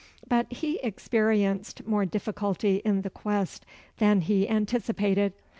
But he experienced more difficulty in the quest than he anticipated.